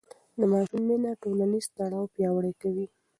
د ماشوم مینه ټولنیز تړاو پیاوړی کوي.